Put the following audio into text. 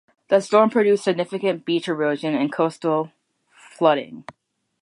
The storm produced significant beach erosion and coastal flooding.